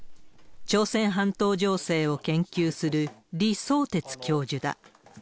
朝鮮半島情勢を研究する、李相哲教授だ。